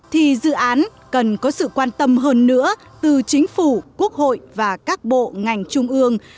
thì dự án cần có sự quan tâm hơn nữa từ chính phủ quốc hội và các bộ ngành trung ương